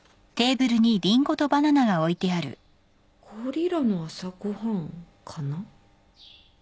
ゴリラの朝ご飯かな？